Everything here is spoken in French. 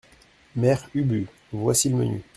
Mère Ubu Voici le menu.